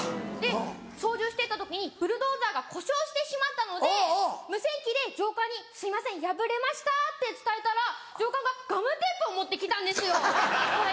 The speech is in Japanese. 操縦してた時にブルドーザーが故障してしまったので無線機で上官に「すいませんやぶれました」って伝えたら上官がガムテープを持って来たんですよはい。